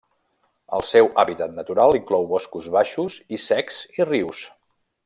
El seu hàbitat natural inclou boscos baixos i secs i rius.